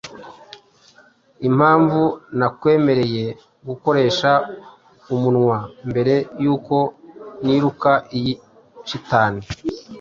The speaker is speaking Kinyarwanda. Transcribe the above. Impamvu nakwemereye gukoresha umunwa mbere yuko niruka iyi shitani